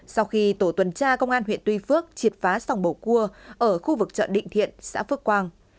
sau khi tổ tuần tra công an huyện tuy phước triệt phá sòng bầu cua ở khu vực chợ định thiện xã phước quang